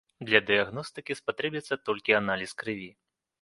Для дыягностыкі спатрэбіцца толькі аналіз крыві.